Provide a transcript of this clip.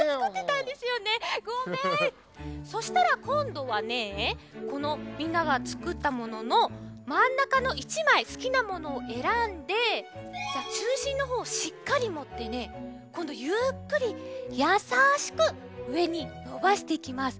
そしたらこんどはねこのみんながつくったもののまんなかの１まいすきなものをえらんでちゅうしんのほうをしっかりもってねこんどゆっくりやさしくうえにのばしていきます。